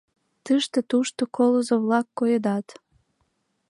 Тыште-тушто колызо-влак коедат.